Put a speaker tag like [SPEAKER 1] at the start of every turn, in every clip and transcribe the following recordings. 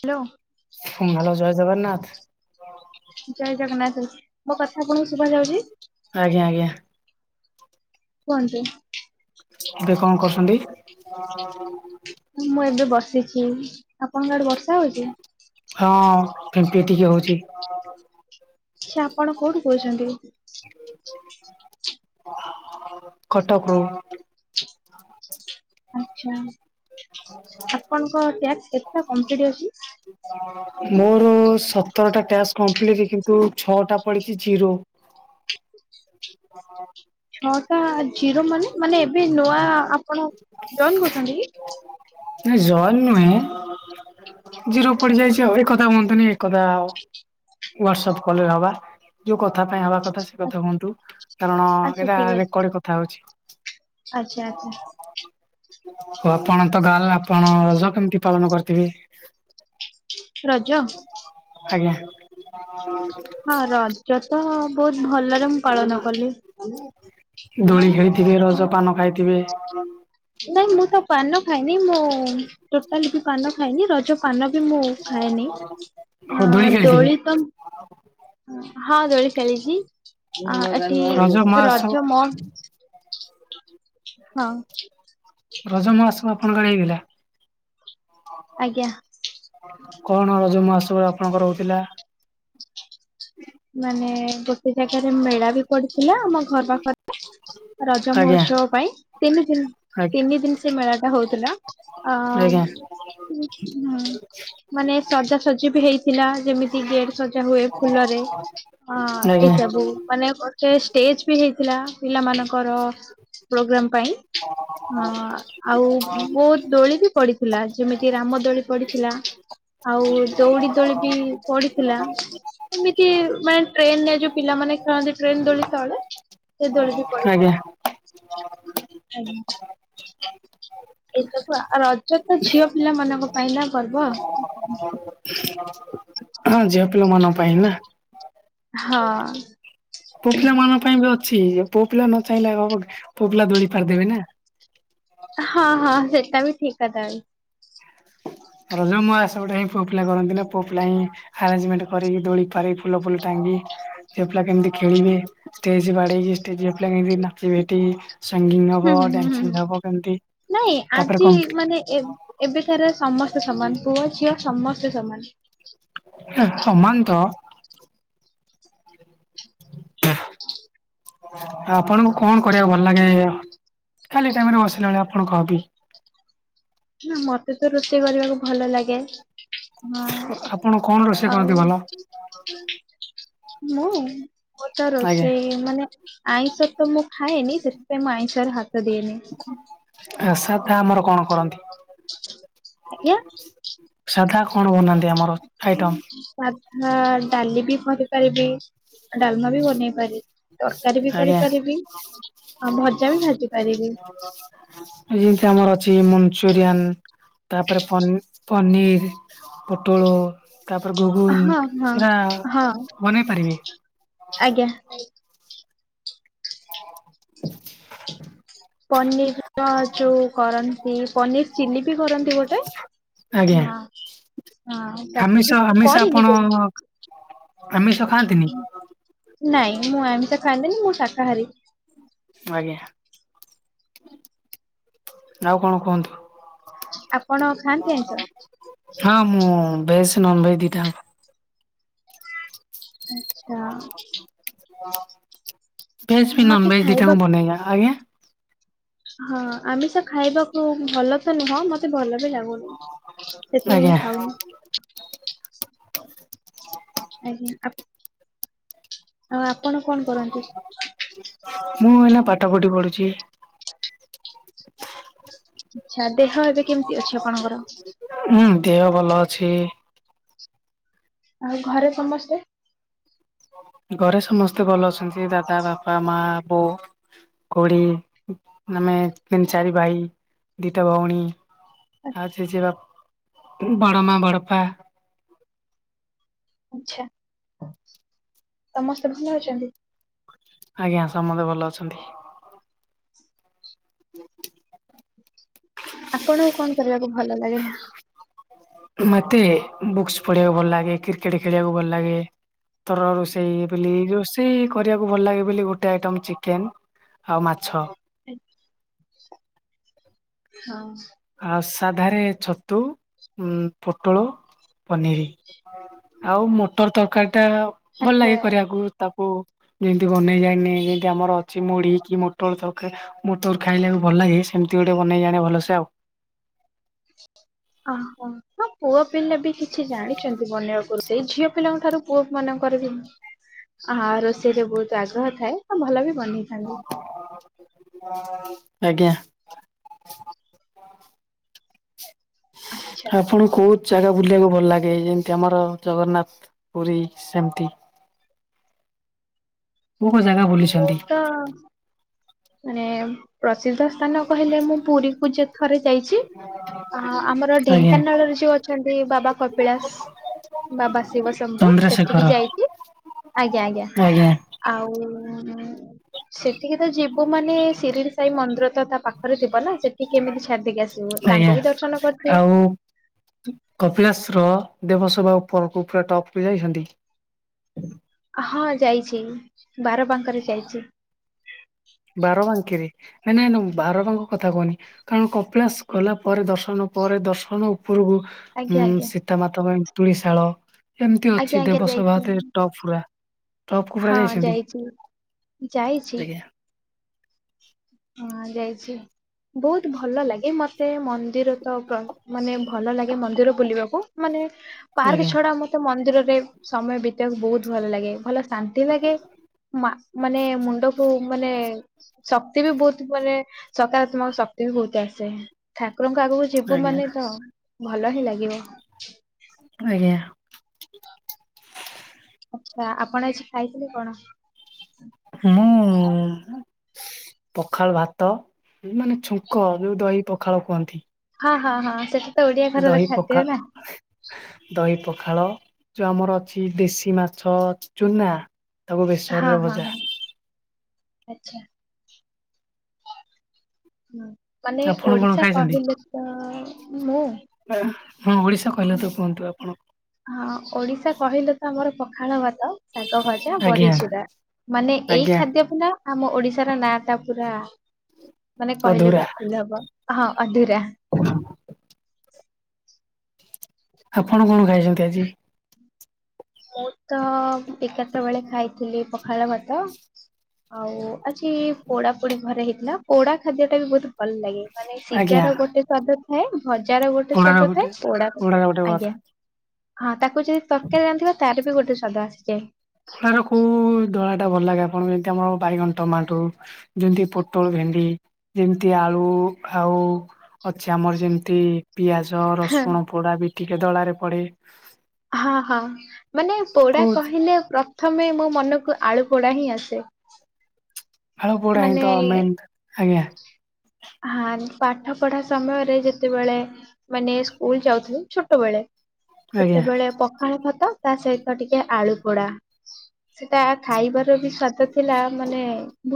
[SPEAKER 1] Hello.
[SPEAKER 2] ହୁଁ hello ଜୟ ଜଗନ୍ନାଥ।
[SPEAKER 1] ଜୟ ଜଗନ୍ନାଥ ମୋ କଥା ଆପଣଙ୍କୁ ଶୁଭା ଯାଉଚି?
[SPEAKER 2] ଆଜ୍ଞା ଆଜ୍ଞା।
[SPEAKER 1] କୁହନ୍ତୁ।
[SPEAKER 2] ଏବେ କଣ କରୁଛନ୍ତି?
[SPEAKER 1] ମୁଁ ଏବେ ବସିଚି ଆପଣଙ୍କ ଆଡେ ବର୍ଷା ହଉଚି?
[SPEAKER 2] ହଁ ଏବେ ଟିକେ ହଉଚି। [inaudible]
[SPEAKER 1] ସେ ଆପଣ କୋଉଠୁ କହୁଛନ୍ତି?
[SPEAKER 2] କଟକରୁୁ।
[SPEAKER 1] ଆଛା ଆପଣଙ୍କ ଟ୍ୟାକ୍ସ କେତେ ଟା କଂପ୍ଲିଟ୍ ଅଛି?
[SPEAKER 2] ମୋର ସତରଟା ଟ୍ୟସ୍ କମ୍ପ୍ଲିଟ କିନ୍ତୁ ଛଅଟା ପଡିଛି ଜିରୋ। ହଁ।
[SPEAKER 1] ନଅଟା ଜିରୋ ମାନେ ମାନେ ଏବେ ନୂଆ ଆପଣ ଜଏନ୍ କରୁଚନ୍ତି କି?
[SPEAKER 2] ନାଇ ଜଏନ୍ ନୁହେଁ। ଜିରୋ ପଡିଯାଇଛି ଆଉ ଏକଥା ହୁଅନ୍ତୁନି ଏକଥା ଆଉ। ୱାଟସପ୍ କଲରେ ହବା ଯୋଉ କଥା ପାଇଁ ହବା କଥା ସେ କଥା ହୁଅନ୍ତୁ। କାରଣ
[SPEAKER 1] ଆଚ୍ଛା
[SPEAKER 2] ଏଇଟା
[SPEAKER 1] ଠିକ
[SPEAKER 2] ରେକର୍ଡ କଥା ହଉଚି।
[SPEAKER 1] ଅଛି ଆଚ୍ଛା ଆଚ୍ଛା
[SPEAKER 2] ଓ ଆପଣ ତ ଗାଲ ଆପଣ ରଜ କେମିତି ପାଳନ କରିଥିବେ?
[SPEAKER 1] ରଜ।
[SPEAKER 2] ଆଜ୍ଞା।
[SPEAKER 1] ହଁ ରଜ ତ ବହୁତ ଭଲରେ ମୁଁ ପାଳନ କଲି।
[SPEAKER 2] ଦୋଳି ଖେଳିଥିବେ ରଜପାନ ଖାଇଥିବେ।
[SPEAKER 1] ନାଇଁ ମୁଁ ତ ପାନ ଖାଇନି ମୁଁ ଟୋଟାଲ ବି ପାନ ଖାଇନି ରଜ ପାନ ବି ମୁଁ ଖାଏନି
[SPEAKER 2] ଆଉ
[SPEAKER 1] ହଁ
[SPEAKER 2] ଖେଳିଥିବେ।
[SPEAKER 1] ଦୋଳି ତ ହଁ ଦୋଳି ଖେଳିଚି। ଆ ଏଠି
[SPEAKER 2] ରଜ ମହୋତ୍ସବ
[SPEAKER 1] ରଜ ମ [unintelligible] ହଁ।
[SPEAKER 2] ରଜ [unintelligible] ଆପଣଙ୍କ ଆଡେ ହେଇଗଲା।
[SPEAKER 1] ଆଜ୍ଞା
[SPEAKER 2] ଆପଣଙ୍କର, କଣ ରଜମହୋତ୍ସବରେ, ଆପଣଙ୍କର ହୋଉଥିଲା?
[SPEAKER 1] ମାନେ, ଗୋଟେ ଜାଗାରେ ମେଳା ବି ପଡିଥିଲା, ଆମ ଘର ପାଖରେ-ହେ। ରଜ,
[SPEAKER 2] ଆଜ୍ଞା
[SPEAKER 1] ମହୋତ୍ସବ ପାଇଁ? ତିନି ଦିନ୍,
[SPEAKER 2] ଆଜ୍ଞା
[SPEAKER 1] ତିନି ଦିନି ସେ ମେଳା ଟା ହଉଥିଲା, ଅ
[SPEAKER 2] ଆଜ୍ଞା
[SPEAKER 1] ହୁଁ ହମାନେ, ସଜାସଜି ବି ହେଇ ଥିଲା, ଯେମିତି ଗେଟେ ସଜା ହୁଏ, ଫୁଲରେ ହଁ ଅ
[SPEAKER 2] ଆଜ୍ଞା
[SPEAKER 1] ଏସବୁ ମାନେ, ଗୋଟେ ଷ୍ଟେଜ ବି ହେଇଥିଲା। ପିଲାମାନଙ୍କର ପ୍ରୋଗ୍ରାମ ପାଇଁ, ଆ ଆଉ ବହୁତ ଦୋଳି ବି ପଡିଥିଲା, ଯେମିତି ରାମ ଦୋଳି ପଡିଥିଲା। ଆଉ, ଦଉଡି ଦୌଳି ବି ପଡିଥିଲା। କି ମାନେ, ଟ୍ରେନ ରେ ଯୋଉ ପିଲାମାନେ ଖେଳନ୍ତି। ଟ୍ରେନ ଦୋଳି ତଳେ, ସେ ଦୋଳି ବି
[SPEAKER 2] ଆଜ୍ଞା।
[SPEAKER 1] ପଡିଥିଲା। ଆଜ [unintelligible] ଏସବୁ, ଆ ରଜ ତ ଝିଅ ପିଲା ମାନଙ୍କ ପାଇଁ, ନା ପର୍ବ।
[SPEAKER 2] [unintelligible] ହଁ, ଝିଅ ପିଲା ମାନ ପାଇଁ ନା?
[SPEAKER 1] ହଁ-ଅ
[SPEAKER 2] ପୁଅ ପିଲା ମାନଙ୍କ ପାଇଁ ବି ଅଛି, ପୁଅ ପିଲା ନ ଚାହିଁଲେଆଉହବକି? ପୁଅ ପିଲା ଦୋଳି ପାରିଦେବେ ନା।
[SPEAKER 1] ହଁ, ହଁ ସେଟା ବି ଠିକ୍ କଥା।
[SPEAKER 2] ରଜ ମହାତ୍ସବଟା, ହିଁ ପୁଅ ପିଲା କରନ୍ତିନା, ପୁଅ ପିଲା ହିଁ ଆରେଞମେଣ୍ଟ କରିକି ଦୋଳି ପାରି ଫୁଲ ଫୁଲ ଟାଙ୍ଗି ଝିଅ ପିଲା କେମିତି ଖେଳିବେ। ଷ୍ଟେଜ୍ ବାଡ଼େଇକି ଷ୍ଟେଜରେ ଝିଅପିଲା କେମିତି ନାଚି ବେଟି ସଙ୍ଗିନ
[SPEAKER 1] ହୁଁ
[SPEAKER 2] ହବ,
[SPEAKER 1] ହୁଁ ହୁଁ
[SPEAKER 2] ଡାନ୍ସିଂ
[SPEAKER 1] ହୁଁ
[SPEAKER 2] ହବ କେମତି,
[SPEAKER 1] ନାଇଁ
[SPEAKER 2] ତାପରେ
[SPEAKER 1] ଆଜି
[SPEAKER 2] କ
[SPEAKER 1] ମାନେ, ଏ ଏବେକାର ସମସ୍ତେ ସମାନ। ପୁଅ ଝିଅ ସମସ୍ତେ ସମାନ।
[SPEAKER 2] ସ--ମମାନ ତ? ହଁ, ଆପଣଙ୍କୁ କଣ କରିବାକୁ ଭଲ ଲାଗେ, ଖାଲି ଟାଇମ ରେ ବସିଲା ବେଳେ ଆପଣ କହବି?
[SPEAKER 1] ନା ମତେ ତ, ରୋଷେଇ କରିବାକୁ ଭଲ ଲାଗେ।
[SPEAKER 2] ଅ
[SPEAKER 1] ହଁ।
[SPEAKER 2] ଆପଣ, କଣ ରୋଷେଇ
[SPEAKER 1] ଆଉ
[SPEAKER 2] କରନ୍ତି ଭଲ?
[SPEAKER 1] ମୁଁ, ମୁଁ ତ
[SPEAKER 2] ଆଜ୍ଞା
[SPEAKER 1] ରୋଷେଇ ମାନେ ଆଇଁଷ ତ ମୁଁ ଖାଏନି, ସେଥିପାଇଁ ମୁଁ ଆଇଁଷରେ ହାତ ଦିଏନି।
[SPEAKER 2] ଆରିସା ପିଠା ଆମର କଣ କରନ୍ତି?
[SPEAKER 1] ଆଜ୍ଞା
[SPEAKER 2] ସାଧା କଣ ବନାନ୍ତି ଆମର, ଆଇଟମ?
[SPEAKER 1] ସାଧା, ଡାଲି ବି କରିପାରିବି। ଡାଲମା ବି ବନେଇ ପାରିବି, ତରକାରୀ ବି
[SPEAKER 2] ଆଜ୍ଞା।
[SPEAKER 1] କରିପାରିବି। ହଁ ଭଜା ବି, ଭାଜି ପାରିବି।
[SPEAKER 2] [inaudible] ଯେମିତି, ଆମର ଅଛି ମଞ୍ଚୁରିଆନ, ତାପରେ ପନି ପନିର୍ ପୋଟଳ, ତାପରେ ଗୁଗୁନ୍
[SPEAKER 1] ହଁ ହଁ
[SPEAKER 2] ସେଟା,
[SPEAKER 1] ହଁ
[SPEAKER 2] ବନେଇ ପାରିବି?
[SPEAKER 1] ଆଜ୍ଞା।
[SPEAKER 2] [inaudible]
[SPEAKER 1] ପନିର୍ ତ ଯୋଉ କରନ୍ତି, ପନିର ଚିଲି ବି କରନ୍ତି ଗୋଟେ
[SPEAKER 2] ଆଜ୍ଞା
[SPEAKER 1] ହଁ। ହଁ ତାକୁ
[SPEAKER 2] ଆମିଷ
[SPEAKER 1] ବି,
[SPEAKER 2] ଆମିଷ ଆପଣ
[SPEAKER 1] କରିନି କୋ
[SPEAKER 2] ଆମିଷ ଖାଆନ୍ତିନି?
[SPEAKER 1] ନାଇଁ, ମୁଁ ଆମିଷ ଖାଆନ୍ତିନି, ମୁଁ ଶାକାହାରି।
[SPEAKER 2] ଆଜ୍ଞା, ଆଉ କଣ କୁହନ୍ତୁ?
[SPEAKER 1] ଆପଣ ଖା
[SPEAKER 2] ହଁ ଅ ହଁ, ମୁଁ ଭେଜ, ନନ ଭେଜ ଦିଟା ଯାକ।
[SPEAKER 1] ଆଚ୍ଛା
[SPEAKER 2] ଭେଜ ବି,
[SPEAKER 1] ମତେ
[SPEAKER 2] ନନ ଭେଜ
[SPEAKER 1] ଖାଇବା
[SPEAKER 2] ଦିଟାଯାଙ୍କ ବନେଇବା ଜାଣ ଆଜ୍ଞା।
[SPEAKER 1] ହଁ ଆମିଷ ତ ଖାଇବାକୁ ଭଲ ତ ନୁହଁ ମତେ ଭଲ ବି ଲା ସେଥିପାଇଁ ମୁଁ
[SPEAKER 2] ଆଜ୍ଞା।
[SPEAKER 1] ଖାଉନି। ଆଜ୍ଞା ଆଉ ଆପଣ କଣ କରନ୍ତି?
[SPEAKER 2] ମୁଁ ଏଇନା ପାଠ ପଠି ପଢୁଛି।
[SPEAKER 1] ଆଛା ଦେହ ଏବେ କେମିତି ଅଛି ଆପଣଙ୍କର?
[SPEAKER 2] ହୁଁ ଦେହ ଭଲ ଅଛି।
[SPEAKER 1] ଆଉ ଘରେ ସମସ୍ତେ?
[SPEAKER 2] ଘରେ ସମସ୍ତେ ଭଲ ଅଛନ୍ତି ଦାଦା ବାପା ମା ବୋଉ। କୋଉଠି ଆମେ ତିନି ଚାରି ଭାଇ ଦିଟା ଭଉଣୀ। ଆଛା ଆଛା ବଡ ମା ବଡପା।
[SPEAKER 1] ଆଚ୍ଛା। ସମସ୍ତେ ଭଲ ଅଛନ୍ତି?
[SPEAKER 2] ଆଜ୍ଞା ସମସ୍ତେ ଭଲ ଅଛନ୍ତି।
[SPEAKER 1] ଆପଣଙ୍କୁ କଣ କରିବାକୁ ଭଲ ଲାଗେ?
[SPEAKER 2] ମୋତେ ବୁକ୍ସ ପଢ଼ିବାକୁ ଭଲ ଲାଗେ କ୍ରିକେଟ୍ ଖେଳିବାକୁ ଭଲ ଲାଗେ। ତର ରୋଷେଇ ବୋଲି ରୋଷେଇ କରିବାକୁ ଭଲ ଲାଗେ ବୋଲି ଗୋଟେ ଆଇଟମ ଚିକେନ ଆଉ ମାଛ।
[SPEAKER 1] ହଁ।
[SPEAKER 2] ଆଉ ସାଧାରେ ଛତୁ ପୋଟଳ ପନିର। ଆଉ ମଟର ତରକାରୀ ଟା ଭଲ
[SPEAKER 1] ଆଚ୍ଛା
[SPEAKER 2] ଲାଗେ କରିବାକୁ ତାକୁ ଯେମତି ବନେଇ ଯାଇନି ଯେମିତି ଆମର ଅଛି ମୁଢ଼ି କି ମୋଟର ତରକାରୀ। ମୋ ତୋର ଖାଇଲାକୁ ଭଲ ଲାଗେ ସେମିତି ଗୋଟେ ବନେଇ ଜାଣେ ଭଲସେ ଆଉ
[SPEAKER 1] ଓହୋ ହ ପୁଅ ପିଲା ବି କିଛି ଜାଣିଛନ୍ତି ବନେଇବାକୁ। ସେଇ ଝିଅ ପିଲାଙ୍କ ଠାରୁ ପୁଅ ମାନଙ୍କର ବିଁ ଆ ରୋଷେଇରେ ବହୁତ ଆଗ୍ରହ ଥାଏ ଆ ଭଲ ବି ବନେଇଥାଏ।
[SPEAKER 2] ଆଜ୍ଞା।
[SPEAKER 1] ଆଚ୍ଛା
[SPEAKER 2] ଆପଣ କୋଉ ଜାଗା ବୁଲିବାକୁ ଭଲ ଲାଗେ, ଯେମ୍ତି ଆମର ଜଗନ୍ନାଥ ପୁରୀ ସେମ୍ତି। କୋଉ-କୋଉ ଜାଗା [unintelligible]
[SPEAKER 1] ମୁଁ ତ ମାନେ ପ୍ରସିଦ୍ଧ ସ୍ଥାନ କହିଲେ ମୁଁ ପୁରୀ [unintelligible] ଥରେ ଯାଇଚି। ଆ ଆମର
[SPEAKER 2] ଆଜ୍ଞା
[SPEAKER 1] ଢେଙ୍କାନାଳରେ ଯୋଉ ଅଛନ୍ତି ବାବା କପିଳାସ୍ ବାବା ଶିବ ଶମ୍ଭୁ ସେଠିକି
[SPEAKER 2] ଚନ୍ଦ୍ରଶେଖର
[SPEAKER 1] ଯାଇଚି, ଆଜ୍ଞା-ଆଜ୍ଞା।
[SPEAKER 2] ଆଜ୍ଞା
[SPEAKER 1] ଆଉ ସେଠିକି ତ ଯିବୁ ମାନେ ସିରିଡି ସେଇ ମନ୍ଦିର ତ ତା ପାଖରେ ଥିବ ନା ସେଠି କେମିତି ଛାଡି ଦେଇକି ଆସିବୁ ତାଙ୍କୁ ବି ଦର୍ଶନ କରିଦିଓଉ।
[SPEAKER 2] କପିଳାସ୍ ର ଦେବସେବା ଉପରକୁ ପୁରା ଟପ୍ କୁ ଯାଇଛନ୍ତି?
[SPEAKER 1] ଆ ହଁ ଯାଇଛି, ବାର ବାଙ୍କରେ ଯାଇଚି।
[SPEAKER 2] ବାରବାଙ୍କେରେ ନାଇଁ-ନାଇଁ ନା ମୁଁ ବାରବାଙ୍କ କଥା କହୁନି। କାରଣ କପିଳାସ୍ ଗଲା ପରେ ଦର୍ଶନ ପରେ ଦର୍ଶନ ଉପରକୁ
[SPEAKER 1] ଆଜ୍ଞା
[SPEAKER 2] ଉଁ
[SPEAKER 1] ଆଜ୍ଞା
[SPEAKER 2] ସୀତାମାତା [unintelligible] ଏମ୍ତି
[SPEAKER 1] ଆଜ୍ଞା
[SPEAKER 2] ଅଛି
[SPEAKER 1] ଆଜ୍ଞା
[SPEAKER 2] ଦେବସଭା
[SPEAKER 1] ଯାଇଛି
[SPEAKER 2] [unintelligible] ଟପ୍ ପୁରା। ଟପ୍ କୁ ପୁରା
[SPEAKER 1] ହଁ
[SPEAKER 2] ଯାଇଛନ୍ତି,
[SPEAKER 1] ଯାଇଛି ଯାଇଛି
[SPEAKER 2] ଆଜ୍ଞା।
[SPEAKER 1] ହଁ ଯାଇଛି ବହୁତ୍ ଭଲ ଲାଗେ ମତେ ମନ୍ଦିର ତ ମାନେ ଭଲ ଲାଗେ ମନ୍ଦିର ବୁଲିବାକୁ, ମାନେ ପାର୍କ
[SPEAKER 2] ଆଜ୍ଞା
[SPEAKER 1] ଛଡା ମତେ ମନ୍ଦିରରେ ସମୟ ବିତେଇବାକୁ ବହୁତ୍ ଭଲ ଲାଗେ, ଭଲ ଶାନ୍ତି ଲାଗେ। ମା ମାନେ ମୁଣ୍ଡ କୁ ମାନେ ଶକ୍ତି ବି ବହୁତ୍ ମାନେ ସକାରାତ୍ମକ ଶକ୍ତି ବି ବହୁତ୍ ଆସେ। ଠାକୁରଙ୍କ ଆଗକୁ ଯିବୁ
[SPEAKER 2] ଆଜ୍ଞା
[SPEAKER 1] ମାନେ ତ ଭଲ ହିଁ ଲାଗିବ।
[SPEAKER 2] ଆଜ୍ଞା।
[SPEAKER 1] ଆଚ୍ଛା ଆପଣ ଆଜି ଖାଇଥିଲେ କଣ?
[SPEAKER 2] ମୁଁ ପଖାଳ ଭାତ ମାନେ ଛୁଙ୍କ ଯୋଉ ଦହି ପଖାଳ କୁହନ୍ତି।
[SPEAKER 1] ହଁ-ହଁ-ହଁ ସେଟା ତ ଓଡିଆ ଘରର
[SPEAKER 2] ଦହି ପଖା
[SPEAKER 1] ଖାଦ୍ୟ ନା।
[SPEAKER 2] ଦହି ପଖାଳ, ଯୋଉ ଆମର ଅଛି ଦେଶୀ ମାଛ ଚୁନା। ତାକୁ ବେସରରେ ଭଜା
[SPEAKER 1] ହଁ-ହଁ-ହଁ ଆଚ୍ଛା। ମାନେ
[SPEAKER 2] ଆପଣ କଣ
[SPEAKER 1] ଓଡିଶା
[SPEAKER 2] ଖାଇଛନ୍ତି?
[SPEAKER 1] କହିଲେ ତ ମୁଁ
[SPEAKER 2] ହଁ, ଓଡିଶା କହିଲେ ତ କୁହନ୍ତୁ ଆପଣ।
[SPEAKER 1] ହଁ, ଓଡିଶା କହିଲେ ତ ଆମର ପଖାଳ ଭାତ ଶାଗ ଭଜା,
[SPEAKER 2] ଆଜ୍ଞା
[SPEAKER 1] ବଢିଚୁରା, ମାନେ ଏଇ
[SPEAKER 2] ଆଜ୍ଞା
[SPEAKER 1] ଖାଦ୍ୟ ଵିନା ଆମ ଓଡିଶାର ନାଁ ଟା ପୁରା ମାନେ କହିଲେ
[SPEAKER 2] ଅଧୁରା
[SPEAKER 1] ବି ଭୁଲ୍ ହବ, ହଁ ଅଧୁରା।
[SPEAKER 2] [inaudible] ଆପଣ କଣ ଖାଇଛନ୍ତି ଆଜି?
[SPEAKER 1] ମୁଁ ତ ଏଗାରଟା ବେଳେ ଖାଇଥିଲି ପଖାଳ ଭାତ ଆଉ ଆଜି ପୋଡା ପୋଡି ଘରେ ହେଇଥିଲା, ପୋଡା ଖାଦ୍ୟ ଟା ବି ବହୁତ୍ ଭଲ୍ ଲାଗେ, ମାନେ ସିଜା
[SPEAKER 2] ଆଜ୍ଞା
[SPEAKER 1] ର ଗୋଟେ ସ୍ଵାଦ ଥାଏ, ଭଜାର ଗୋଟେ
[SPEAKER 2] ପୋଳାର
[SPEAKER 1] ସ୍ଵାଦ ଥାଏ,
[SPEAKER 2] ଗୋଟେ
[SPEAKER 1] ପୋଡା
[SPEAKER 2] ପୋଳାର ଗୋଟେ ଭାତ
[SPEAKER 1] ଆଜ୍ଞା ହଁ ତାକୁ ଯଦି ତ ର୍କାରି ରାନ୍ଧିବା ତାର ବି ଗୋଟେ ଶ୍ଵାଦ ଆସିଯାଏ।
[SPEAKER 2] ତାର କୋଉ ଦଳା ଟା ଭଲ୍ ଲାଗେ ଆପଣଙ୍କୁ, ଯେମ୍ତି ଆମର ବାଇଗଣ ଟମାଟୋ ଯେମିତି ପୋଟଳ ଭେଣ୍ଡି, ଯେମ୍ତି ଆଳୁ ଆଉ ଅଛି ଆମର ଯେମ୍ତି ପିଆଜ
[SPEAKER 1] ହଁ
[SPEAKER 2] ରସୁଣ ପୋଡା ବି ଟିକେ ଦଳାରେ ପଡେ।
[SPEAKER 1] ହଁ-ହଁ ମାନେ ପୋଡା
[SPEAKER 2] କୋଉ
[SPEAKER 1] କହିଲେ ପ୍ରଥମେ ମୋ ମନକୁ ଆଳୁ ପୋଡା ହିଁ ଆସେ।
[SPEAKER 2] ଆଳୁ ପୋଡା ହିଁ
[SPEAKER 1] ମାନେ
[SPEAKER 2] ତ ମେନ୍, ଆଜ୍ଞା।
[SPEAKER 1] ହଁ, ପାଠପଢା ସମୟରେ ଯେତେବେଳେ ମାନେ ସ୍କୁଲ ଯାଉଥିଲୁ ଛୋଟବେଳେ
[SPEAKER 2] ଆଜ୍ଞା
[SPEAKER 1] ସେତେବେଳେ ପ ଖାଳ ଭାତ ତା ସହିତ ଟିକେ ଆଳୁ ପୋଡା, ସେଟା ଖାଇବାର ବି ସ୍ଵା ଦ ଥିଲା ସେ ମାନେ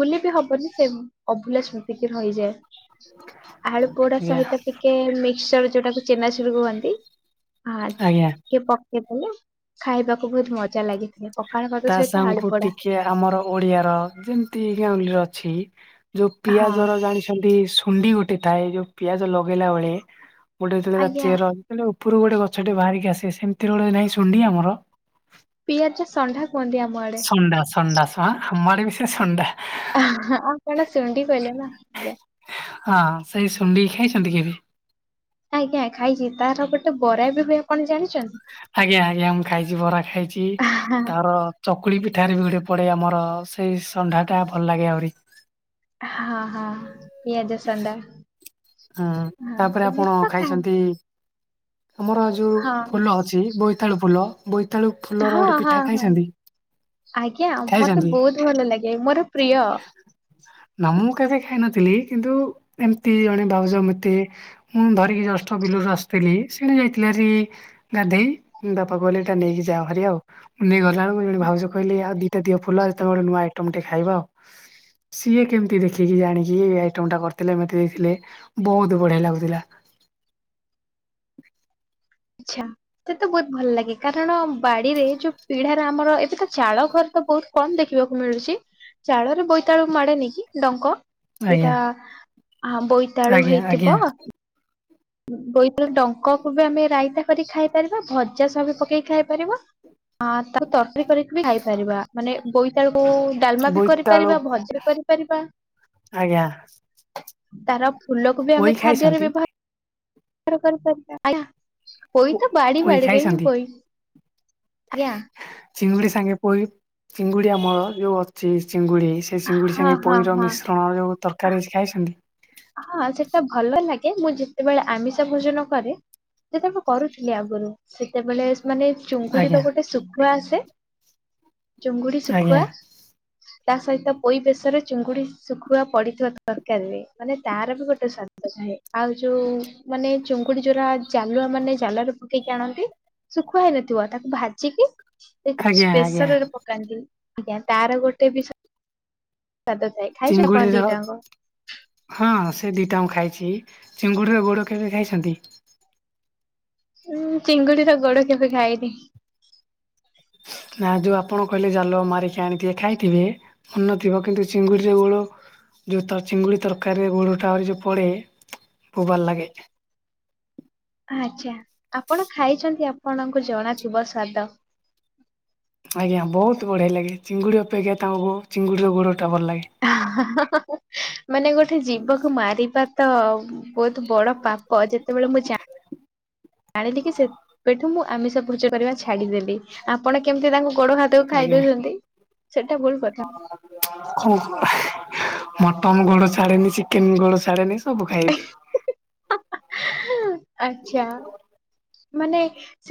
[SPEAKER 1] ଭୁଲି ବିି ହବନି, ସେ ଅଭୁଲା ସ୍ମୃତିକି ରହିଯାଏ। ଆଳୁ ପୋଡା
[SPEAKER 2] ଆଜ୍ଞା
[SPEAKER 1] ସହିତ ଟିକେ ମିକ୍ସର୍ ଯୋଉଟାକୁ ଚେନାଚୁର୍ କୁହନ୍ତି। ଆ
[SPEAKER 2] ଆଜ୍ଞା
[SPEAKER 1] ଟିକେ ପକେଇଦଲେ ଖାଇବାକୁ ବହୁତ ମଜା ଲାଗେ।
[SPEAKER 2] ତା ସାଙ୍ଗକୁ ଟିକେ ଆମର ଓଡିଆ ର ଯେମିତି ଗାଉଁଲି ରେ ଅଛି ଯୋଉ
[SPEAKER 1] ହଁ।
[SPEAKER 2] ପିଆଜର ଜାଣିଛନ୍ତି ଶୁଣ୍ଡି ଗୋଟେ ଥାଏ ଯୋଉ ପିଆଜ ଲଗେଇଲା ବେଳେ ଗୋଟେ ଯେତବେଳେ
[SPEAKER 1] ଆଜ୍ଞା
[SPEAKER 2] ଚେର ଯେତେବେ ଉପରୁ ଗୋଟେ ଗଛଟେ ବାହାରିକି ଆସେ, ସେମିତିରେ ଗୋଟେ ନାଇଁ ଶଣ୍ଢି ଆମର।
[SPEAKER 1] ପିଆଜା ସଣ୍ଢା କହନ୍ତି ଆମ ଆଡେ।
[SPEAKER 2] [inaudible]
[SPEAKER 1] ହଁ ଆଉ କଣ ଶୁଣ୍ଡି କଲେ ନା, ଆଜ୍ଞା।
[SPEAKER 2] ହଁ ସେଇ ଶୁଣ୍ଡି କି ଖାଇଛନ୍ତି କେବେ?
[SPEAKER 1] ଆଜ୍ଞା ଖାଇଛି, ତାର ଗୋଟେ ବରା ବି ହୁଏ କଣ ଜାଣିଛନ୍ତି?
[SPEAKER 2] ଆଜ୍ଞା, ଆଜ୍ଞା ମୁଁ ଖାଇଛି ବରା ଖାଇଛି
[SPEAKER 1] ଆହା,
[SPEAKER 2] ତାର ଚକୁଳି ପିଠାରେ ବି ଗୋଟେ ପଡେ ଆମର ସେଇ ସଣ୍ଢାଟା ଭଲ ଲାଗେ ଆହୁରି।
[SPEAKER 1] ହଁ, ହଁ ପିଆଜସଣ୍ଡା।
[SPEAKER 2] ହୁଁ, ତାପରେ ଆପଣ
[SPEAKER 1] ଖା
[SPEAKER 2] ଖାଇଛନ୍ତି ଆମର ଯୋଉ
[SPEAKER 1] ହଁ।
[SPEAKER 2] ଫୁଲ ଅଛି ବୋଇତାଳୁ ଫୁଲ ବୋଇତାଳୁ ଫୁଲର
[SPEAKER 1] ହଁ,
[SPEAKER 2] ଗୋଟେ
[SPEAKER 1] ହଁ,
[SPEAKER 2] ପିଠା
[SPEAKER 1] ହଁ
[SPEAKER 2] ଖାଇଛନ୍ତି?
[SPEAKER 1] ଆଜ୍ଞା ମତେ
[SPEAKER 2] ଖାଇଛନ୍ତି
[SPEAKER 1] ବହୁତ୍ ଭଲ ଲାଗେ ମୋର ପ୍ରିୟ।
[SPEAKER 2] ନା ମୁଁ କେବେ ଖାଇନଥିଲି କିନ୍ତୁ ଏମିତି ଜଣେ ବାଉଜ ମତେ ମୁଁ ଧରିକି ଜଷ୍ଟ ବିଲୁରୁ ଆସିଥିଲି ସେଇଠି ଯାଇଥିଲ ଭାରି ଗାଧେଇ ବାପା କହିଲେ ଏଟା ନେଇକି ଯାା ଭାରି ଆଉ, ମୁ ନେଇକି ଗଲା ବେଳକୁ ଜଣେ ଭାଉଜ କହିଲେ ଆଉ ଦି ଦିଅ ଦିଅ ଫୁଲ ଆସିଥିବା ଗୋଟେ ନୁଆ ଆଇଟମ ଟେକେ ଖାଇବା ଆଉ। ସିଏ କେମିତି ଦେଖିକି ଜାଣିକି ଆଇଟମ ଟା କରିଥିଲେ ମତେ ଦେଇଥିଲେ। ବହୁତ୍ ବଢିଆ ଲାଗୁଥିଲା।
[SPEAKER 1] ଆଛା। ସେ ତ ବହୁତ ଭଲ ଲାଗେ କାରଣ ବାଡିରେ ଯୋଉ ପିଢାରେ ଆମର ଏବେ ତ ଚାଳ ଘର ତ ବହୁତ କଣ ଦେଖିବାକୁ ମିଳୁଛି ଚାଳରେ ବୋଇତାଳୁ ମାଡେନି କି ଡଙ୍କ
[SPEAKER 2] ଆଜ୍ଞା
[SPEAKER 1] ସେଟା ବୋଇତାଳୁ
[SPEAKER 2] ଆଜ୍ଞା ଆଜ୍ଞା
[SPEAKER 1] ହେଇଥିବ ବୋଇତାଳୁ ଡଙ୍କକୁ ବି ଆମେ ରାଇତା କରିକି ଖାଇ ପାରିବା ଭଜା ସହ ବି ପକେଇକି ଖାଇ ପାରିବ। ହଁ ତାକୁ ତରକାରୀ କରିକି ବି ଖାଇପାରିବା ମାନେ ବୋଇତାଳକୁ ଡାଲମା ବି
[SPEAKER 2] ବୋଇତାଳୁ
[SPEAKER 1] କରିପାରିବା ଭଜା ବି କରିପାରିବା
[SPEAKER 2] ଆଜ୍ଞା
[SPEAKER 1] ତାର ଫୁଲକୁ ବି
[SPEAKER 2] ପୋଇ
[SPEAKER 1] ଆମେ ଖାଦ୍ୟରେ
[SPEAKER 2] ଖାଇଛନ୍ତି
[SPEAKER 1] ବ୍ୟବହାର ପୋଇ ତ ବାଡ଼ି
[SPEAKER 2] ପୋଇ
[SPEAKER 1] ବାଡ଼ିରେ ହିଁ
[SPEAKER 2] ଖାଇଛନ୍ତି?
[SPEAKER 1] ପୋଇ, ଆଜ୍ଞା
[SPEAKER 2] ଚିଙ୍ଗୁଡି ସାଙ୍ଗେ ପହି ଚିଙ୍ଗୁଡି ଆମର ଯୋଉ ଅଛି ଚିଙ୍ଗୁଡି ସେ ଚିଙ୍ଗୁଡ଼ି
[SPEAKER 1] ହଁ
[SPEAKER 2] ସାଙ୍ଗେ
[SPEAKER 1] ହଁ
[SPEAKER 2] ପୋଇ
[SPEAKER 1] ହଁ।
[SPEAKER 2] ମିଶ୍ରଣ ଯୋଉ ତରକାରୀ ଅଛି ଖାଇଛନ୍ତି?
[SPEAKER 1] ହଁ ସେଟା ଭଲ ଲାଗେ ମୁଁ ଯେତେବେଳେ ଆମିଷ ଭୋଜନ କରେ ଯେତେବେଳେ କରୁଥିଲି ଆଗରୁ ସେତେବେଳେ ମାନେ
[SPEAKER 2] ଆଜ୍ଞା।
[SPEAKER 1] ଚୁଙ୍ଗୁଡିର ଗୋଟେ ଶୁଖୁଆ ଆସେ ଚୁଙ୍ଗୁଡ଼ି
[SPEAKER 2] ଆଜ୍ଞା
[SPEAKER 1] ଶୁଖୁଆ ତା ସହିତ ପୋଇ ବେଶରେ ଚୁଙ୍ଗୁଡି ଶୁଖୁଆ ପଡିଥିବା ତରକାରୀ ରେ। ମାନେ ତାର ବି ଗୋଟେ ସ୍ୱାଦ ଥାଏ ଆଉ ଯୋଉ ମାନେ ଚୁଙ୍ଗୁଡି ଯୋରା ଜାଲୁଆ ମାନେ ଜାଲ ରେ ପକେଇକି ଆଣନ୍ତି ଶୁଖୁଆ ହେଇନଥିବ ତାକୁ ଭାଜିକି
[SPEAKER 2] ଆଜ୍ଞା ଆଜ୍ଞା
[SPEAKER 1] ସ୍ପେସରରେ ପକାନ୍ତି ଆଜ୍ଞା ତାର ଗୋଟେ ବିଷ ସ୍ୱାଦ ଥାଏ। ଆପଣ
[SPEAKER 2] ଚିଙ୍ଗୁଡ଼ିର
[SPEAKER 1] ଦିଟାଙ୍କ?
[SPEAKER 2] ହଁ ସେ ଦିଟା ମୁଁ ଖାଇଛି ଚିଙ୍ଗୁଡିର ଗୋଡ କେବେ ଖାଇଛନ୍ତି?
[SPEAKER 1] ଉଁ ଚିଙ୍ଗୁଡିର ଗୋଡ କେବେ ଖାଇନି।
[SPEAKER 2] ନା ଯେଉଁ ଆପଣ କହିଲେ ଜାଲ ମାରିକି ଆଣିଥିବେ ଖାଇଥିବେ ମାନେ ନଥିବ କିନ୍ତୁ ଚିଙ୍ଗୁଡ଼ିର ଗୋଡ ଯୋଉ ଚିଙ୍ଗୁଡ଼ି ତରକାରୀରେ ଗୋଡ ଟା ଆଉରି ଯୋଉ ପଡେ ବହୁତ ଭଲ ଲାଗେ।
[SPEAKER 1] ଆଚ୍ଛା ଆପଣ ଖାଇଛନ୍ତି ଆପଣଙ୍କୁ ଜଣାଥିବ ସ୍ଵାଦ।
[SPEAKER 2] ଆଜ୍ଞା ବହୁତ ବଢିଆ ଲାଗେ ଚିଙ୍ଗୁଡ଼ି ଅପେକ୍ଷା ତାଙ୍କୁ ଚିଙ୍ଗୁଡିର ଗୋଡଟା ଭଲ ଲାଗେ।
[SPEAKER 1] ମାନେ ଗୋଟେ ଜୀବକୁ ମାରିବା ତ ବହୁତ ବଡ ପାପ ଯେତେବେଳେ ମୁଁ ଯା ଆଣିଲି କି ସେ ଠୁ ମୁଁ ଆମିଷ [unintelligible] କରିବା ଛାଡ଼ିଦେଲି। ଆପଣ କେମିତି ତାଙ୍କୁ ଗୋଡୋ ହାତକୁ ଖାଇଦୋଉଛନ୍ତି ସେଟା ଭୁଲ କଥା।
[SPEAKER 2] [unintelligible] ମଟନ ଗୋଡୋ ଛାଡେନି ଚିକେନ ଗୋଡୋ ଛାଡେନି ସବୁ ଖାଇଦିଏ।
[SPEAKER 1] ଆଛା ମାନେ ସେ